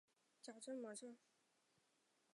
假钻毛蕨为骨碎补科假钻毛蕨属下的一个种。